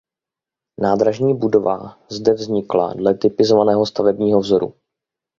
Nádražní budova zde vznikla dle typizovaného stavebního vzoru.